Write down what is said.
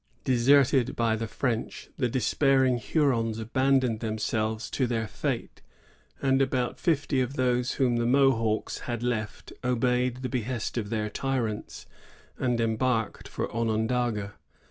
Deserted by the French, the despairing Hurons abandoned themselves to their fate; and about fifty of those whom the Mohawks had left obeyed the behest of their tyrants, and embarked for Onondaga.